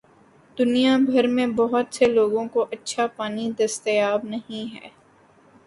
دنیا بھر میں بہت سے لوگوں کو اچھا پانی دستیاب نہیں ہے۔